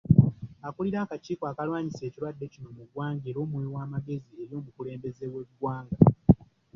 Akulira akakiiko akalwanyisa ekirwadde kino mu ggwanga era omuwi w’amagezi eri omukulembeze w'eggwanga.